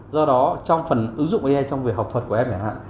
do đó trong phần ứng dụng ai trong việc học thuật của em này ạ